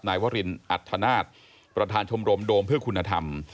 นายวรินอัธนาศประธานชมรมโดมเพื่อคุณธรรม